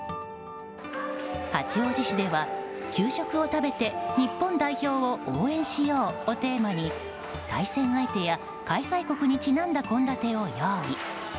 八王子市では、給食を食べて日本代表を応援しようをテーマに対戦相手や開催国にちなんだ献立を用意。